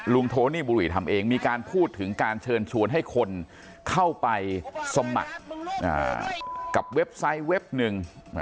โทนี่บุรีทำเองมีการพูดถึงการเชิญชวนให้คนเข้าไปสมัครกับเว็บไซต์เว็บหนึ่ง